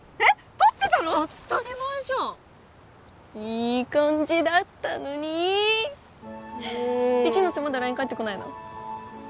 当ったり前じゃんいい感じだったのにもう一ノ瀬まだＬＩＮＥ返ってこないの？